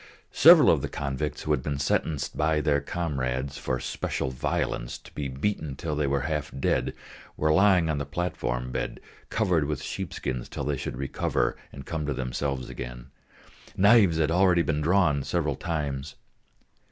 Several of the convicts who had been sentenced by their comrades, for special violence, to be beaten till they were half dead, were lying on the platform bed, covered with sheepskins till they should recover and come to themselves again; knives had already been drawn several times.